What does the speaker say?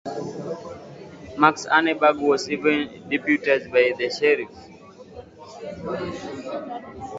Max Annenberg was even deputized by the sheriff.